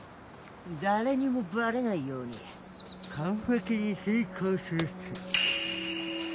誰にもバレないように完璧に遂行するっす。